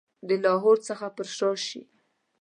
د لاهور څخه پر شا شي.